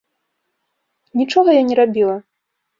Нічога я не рабіла.